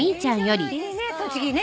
いいね栃木ね。